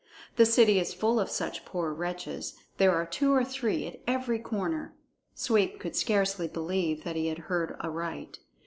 The city is full of such poor wretches; there are two or three at every corner." Sweep could scarcely believe that he had heard aright.